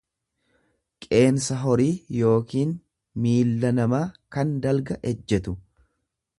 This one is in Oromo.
qeensa horii yookiin miilla namaa kan dalga ejjetu.